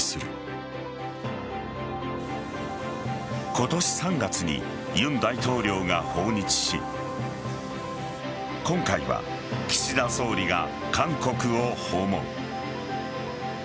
今年３月に尹大統領が訪日し今回は岸田総理が韓国を訪問。